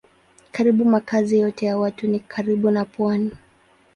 Karibu makazi yote ya watu ni karibu na pwani.